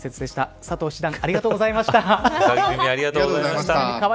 佐藤七段ありがとうございました。